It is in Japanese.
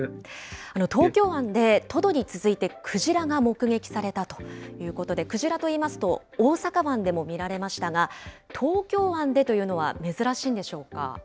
東京湾で、トドに続いてクジラが目撃されたということで、クジラといいますと、大阪湾でも見られましたが、東京湾でというのは珍しいんでしょうか。